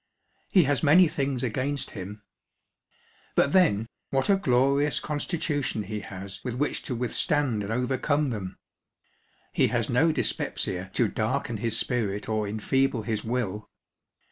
He has many things against him. But then, what a glorious constitution he has with which to withstand and overcome them ! He has no dyspepsia to darken his spirit or enfeeble his will.